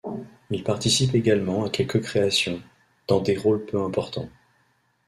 Il participe également à quelques créations, dans des rôles peu importants.